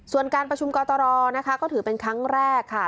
ส่วนการประชุมกตรนะคะก็ถือเป็นครั้งแรกค่ะ